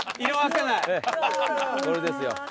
これですよ。